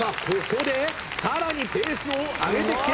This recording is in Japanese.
ここでさらにペースを上げてきています。